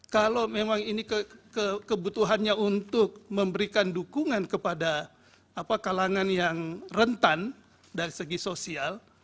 kalau memang ini kebutuhannya untuk memberikan dukungan kepada kalangan yang rentan dari segi sosial